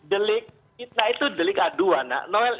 hitnah itu delik aduan